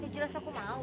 jelas aku mau